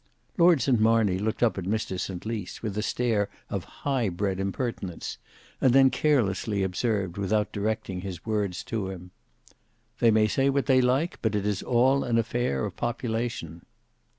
Lord Marney looked up at Mr St Lys, with a stare of high bred impertinence, and then carelessly observed, without directing his words to him, "They may say what they like, but it is all an affair of population."